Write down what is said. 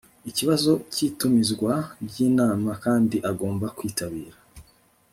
ikibazo cy itumizwa ry inama kandi agomba kwitabira